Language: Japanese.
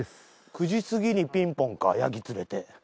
９時過ぎにピンポンかヤギ連れて。